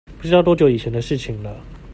不知道多久以前的事情了